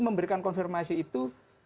bi memberikan konfirmasi itu